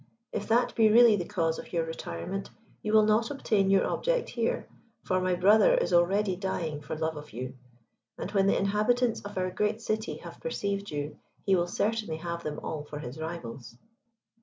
If that be really the cause of your retirement, you will not obtain your object here; for my brother is already dying for love of you, and when the inhabitants of our great city have perceived you, he will certainly have them all for his rivals."